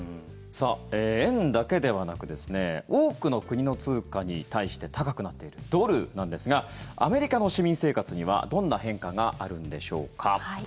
円だけではなく多くの国の通貨に対して高くなっているドルなんですがアメリカの市民生活にはどんな変化があるんでしょうか。